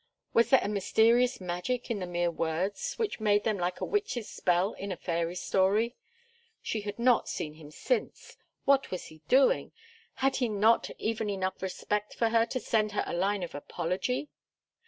Was there a mysterious magic in the mere words, which made them like a witch's spell in a fairy story? She had not seen him since. What was he doing? Had he not even enough respect for her to send her a line of apology?